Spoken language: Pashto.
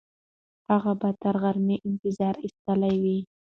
هغه به تر غرمه انتظار ایستلی وي.